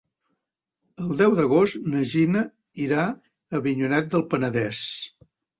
El deu d'agost na Gina irà a Avinyonet del Penedès.